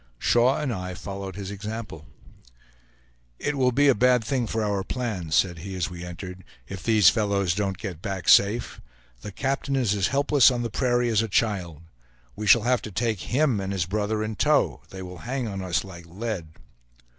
Shaw and I followed his example. "It will be a bad thing for our plans," said he as we entered, "if these fellows don't get back safe. The captain is as helpless on the prairie as a child. We shall have to take him and his brother in tow; they will hang on us like lead."